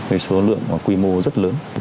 với số lượng và quy mô rất lớn